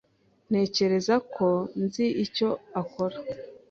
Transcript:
Ntekereza ko nzi icyo akora.